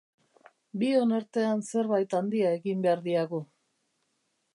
Bion artean zerbait handia egin behar diagu.